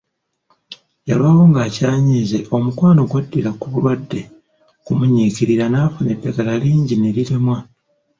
Yalwawo ng'akyanyiize, omukwano gwaddira ku bulwadde kumunyiikirira n'afuna eddagala lingi ne liremwa.